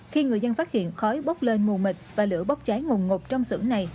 khi người dân phát hiện khói bốc lên mù mịt và lửa bốc cháy ngùng ngột trong xưởng này